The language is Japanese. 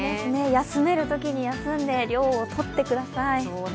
休めるときに休んで涼を取ってください。